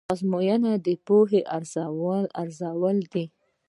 ازموینه د پوهې ارزول دي.